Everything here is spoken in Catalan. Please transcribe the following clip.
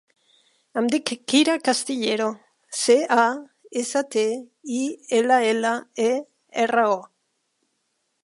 Em dic Kira Castillero: ce, a, essa, te, i, ela, ela, e, erra, o.